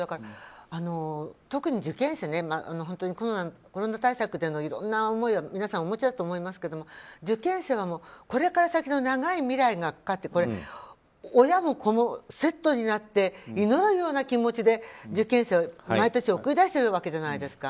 特に受験生、本当にコロナ対策でのいろんな思いは皆さんお持ちだと思いますが受験生はこれから先の長い未来がかかってて、親も子もセットになって祈るような気持ちで受験生を毎年送り出しているわけじゃないですか。